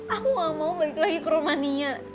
aku gak mau balik lagi ke romania